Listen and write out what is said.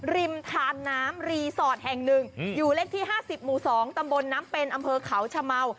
ทานน้ำรีสอร์ทแห่งหนึ่งอยู่เลขที่๕๐หมู่๒ตำบลน้ำเป็นอำเภอเขาชะเมา